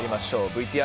ＶＴＲ。